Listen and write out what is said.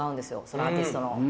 そのアーティストの。